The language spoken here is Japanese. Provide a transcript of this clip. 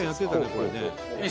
これね。